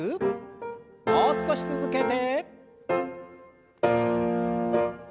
もう少し続けて。